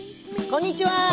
こんにちは。